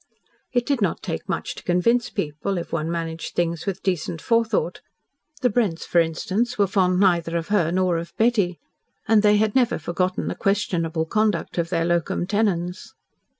It did not take much to convince people, if one managed things with decent forethought. The Brents, for instance, were fond neither of her nor of Betty, and they had never forgotten the questionable conduct of their locum tenens.